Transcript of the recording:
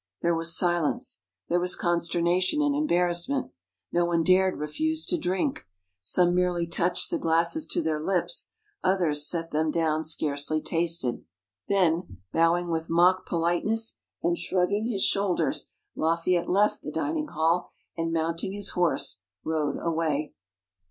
_ There was silence. There was consternation and embarrassment. No one dared refuse to drink. Some merely touched the glasses to their lips, others set them down scarcely tasted. Then, bowing with mock politeness and shrugging his shoulders, Lafayette left the dining hall, and mounting his horse rode away.